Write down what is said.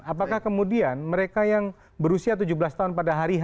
apakah kemudian mereka yang berusia tujuh belas tahun pada hari ini